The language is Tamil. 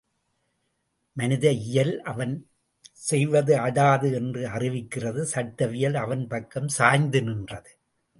மனித இயல் அவன் செய்வது அடாது என்று அறிவிக்கிறது சட்ட வியல் அவன் பக்கம் சாய்ந்து நின்றது.